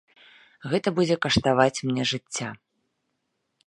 Гэта будзе каштаваць мне жыцця.